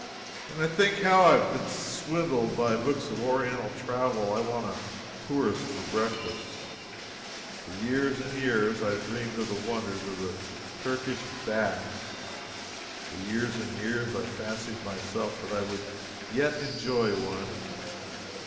When I think how I have been swindled by books of Oriental travel, I want a tourist for breakfast. For years and years I have dreamed of the wonders of the Turkish bath; for years and years I have promised myself that I would yet enjoy one.